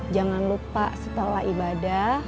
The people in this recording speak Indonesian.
jangan lupa setelah ibadah